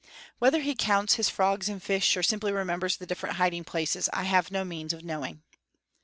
Whether he counts his frogs and fish, or simply remembers the different hiding places, I have no means of knowing.